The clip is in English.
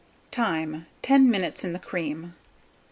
Time. 10 minutes in the cream.